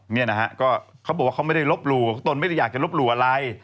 เขาบอกว่าเขาไม่ได้ลบหลู่ตนไม่ได้อยากจะลบหลู่อะไร